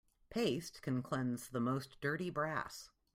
Paste can cleanse the most dirty brass.